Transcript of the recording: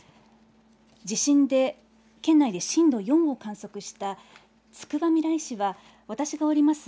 地震で県内で震度４を観測したつくばみらい市は、私がおります